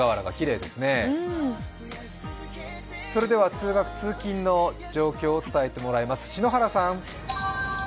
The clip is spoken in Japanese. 通学通勤の状況を伝えてもらいます。